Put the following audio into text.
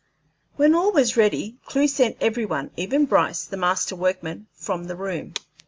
When all was ready, Clewe sent every one, even Bryce, the master workman, from the room.